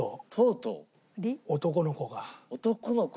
「男の子が」？